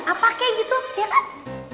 apa kayak gitu ya kan